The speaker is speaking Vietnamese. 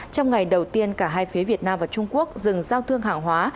trong ngày đầu tiên cả hai phía việt nam và trung quốc dừng giao thương hàng hóa